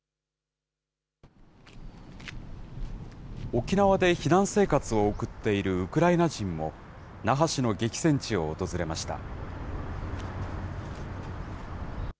沖縄で避難生活を送っているウクライナ人も、那覇市の激戦地を訪れました。